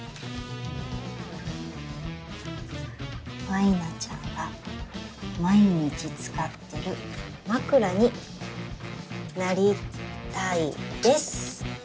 「舞菜ちゃんが毎日使ってる枕になりたいです」